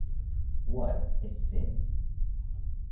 What is sin?